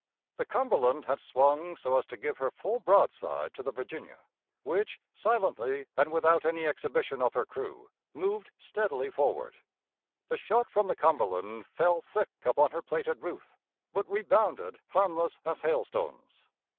The Cumberland had swung so as to give her full broadside to the Virginia, which silently and without any exhibition of her crew, moved steadily forward. The shot from the Cumberland fell thick upon her plated roof, but rebounded harmless as hailstones.